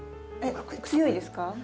強いですか？